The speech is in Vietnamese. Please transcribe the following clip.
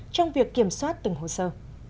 trong việc kiểm soát từng hồ sơ